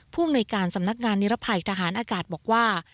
ภูมิหน่วยการสำนักงานนิรภัยทหารอากาศบอกว่า